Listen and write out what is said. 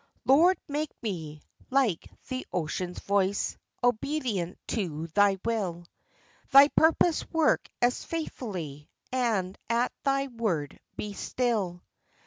Lord, make me, like the ocean's voice, obedient to Thy will, Thy purpose work as faithfully, and at Thy word be still.